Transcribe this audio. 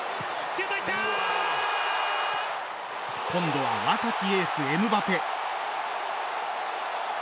今度は若きエース、エムバペ。